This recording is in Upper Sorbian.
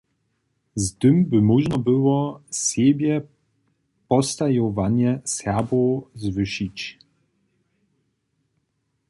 Z tym by móžno było, sebjepostajowanje Serbow zwyšić.